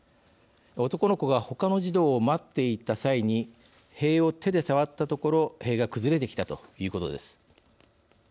男の子がほかの児童を待っていた際に塀を手で触ったところ塀が崩れてきたということです。